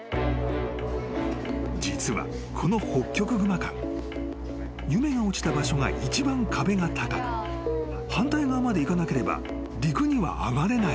［実はこのほっきょくぐま館ゆめが落ちた場所が一番壁が高く反対側まで行かなければ陸には上がれない］